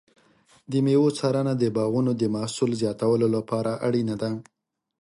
د مېوو څارنه د باغونو د محصول زیاتولو لپاره اړینه ده.